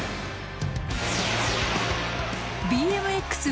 ＢＭＸ